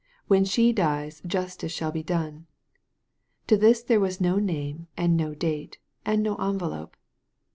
When she dies justice shall be done." To this there was no name and no date and no envelope.